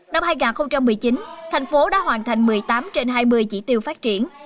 năm hai nghìn một mươi chín thành phố đã hoàn thành một mươi tám trên hai mươi chỉ tiêu phát triển